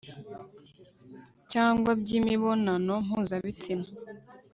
cyangwa byimibonano mpuzabitsina